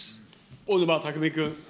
小沼巧君。